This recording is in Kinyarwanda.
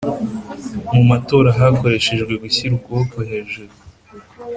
Mu matora hakoreshejwe gushyira ukuboko hejuru